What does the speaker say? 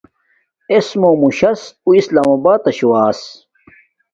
اِس مُوم موشس اُو اسلام آباتشوں ایس